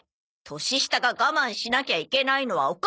年下が我慢しなきゃいけないのはおかしいよ。